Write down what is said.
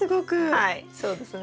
はいそうですね。